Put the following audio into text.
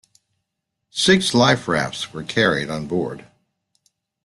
Six life rafts were carried on board.